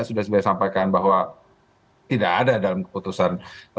sudah saya sampaikan bahwa tidak ada dalam keputusan